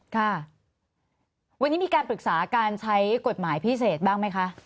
ค่ะวันนี้มีการปรึกษาการใช้กฎหมายพิเศษบ้างไหมคะ